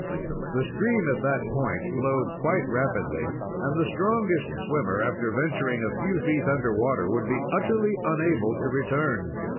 The stream at that point flowed quite rapidly, and the strongest swimmer, after venturing a few feet under water, would be utterly unable to return.